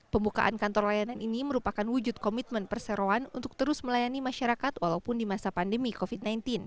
pembukaan kantor layanan ini merupakan wujud komitmen perseroan untuk terus melayani masyarakat walaupun di masa pandemi covid sembilan belas